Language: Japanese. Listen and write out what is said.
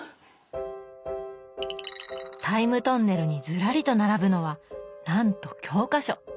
タイムトンネルにずらりと並ぶのはなんと教科書。